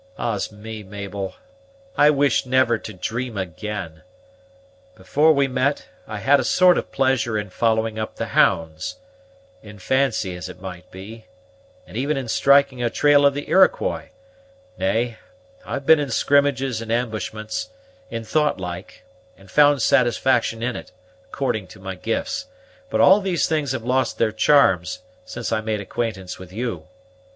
"Ah's me, Mabel, I wish never to dream again! Before we met, I had a sort of pleasure in following up the hounds, in fancy, as it might be; and even in striking a trail of the Iroquois nay, I've been in skrimmages and ambushments, in thought like, and found satisfaction in it, according to my gifts; but all those things have lost their charms since I've made acquaintance with you.